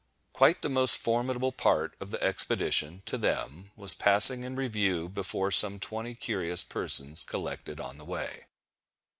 Quite the most formidable part of the expedition, to them, was passing in review before some twenty curious persons collected on the way.